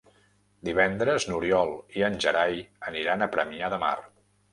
Divendres n'Oriol i en Gerai aniran a Premià de Mar.